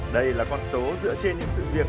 đây là con số dựa trên những sự việc